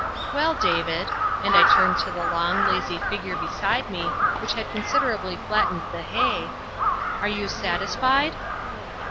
"Well, David," and I turned to the long, lazy figure beside me, which had considerably flattened the hay, "are you satisfied?"